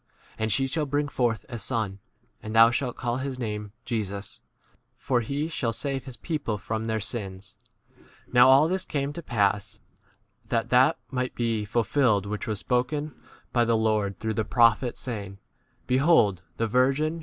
And she shall bring forth a son, and thou shalt call his name Jesus, for he shall save his people from 22 their sins. Now all this came to pass that that might be fulfilled which was spoken by [the] Lord c know no other word.